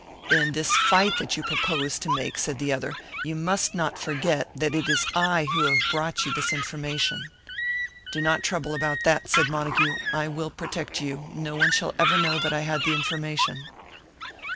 "In this fight that you propose to make," said the other, "you must not forget that it is I who have brought you this information " "Do not trouble about that," said Montague; "I will protect you. No one shall ever know that I had the information."